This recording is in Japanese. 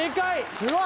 すごい！